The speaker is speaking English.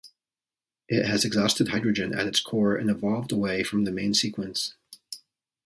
It has exhausted hydrogen at its core and evolved away from the main sequence.